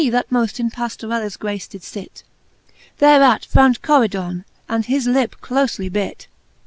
That moft in Pajlorellaes grace did fit. Thereat frown'd Coridon^ and his lip clofely bit.